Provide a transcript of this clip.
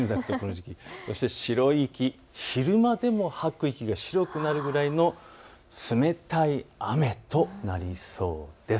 そして白い息、昼間でも吐く息が白くなるくらいの冷たい雨となりそうです。